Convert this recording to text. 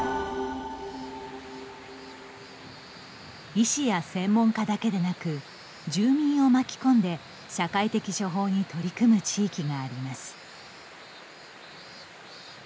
医師や専門家だけでなく住民を巻き込んで社会的処方に取り組む地域があります。